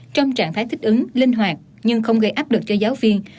trong trạng thái thích ứng linh hoạt nhưng không gây áp lực cho giáo viên